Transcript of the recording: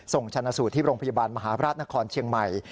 ชนะสูตรที่โรงพยาบาลมหาราชนครเชียงใหม่